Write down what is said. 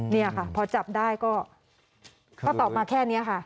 นี่ค่ะพอจับได้ก็ตอบมาแค่นี้ค่ะ